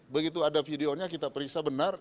begitu ada videonya kita periksa benar